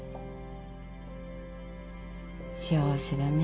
幸せだね。